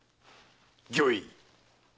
御意。